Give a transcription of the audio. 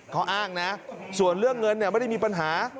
เขาอ้างนะส่วนเรื่องเงินไม่ได้มีปัญหา